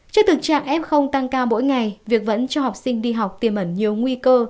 trước thực trạng f tăng cao mỗi ngày việc vẫn cho học sinh đi học tiềm ẩn nhiều nguy cơ